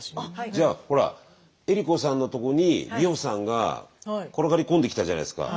じゃあほら江里子さんのとこに美穂さんが転がり込んできたじゃないですか。